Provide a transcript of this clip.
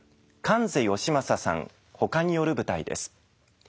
観世喜正さんほかによる舞台です。